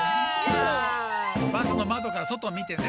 バスのまどからそとを見てね。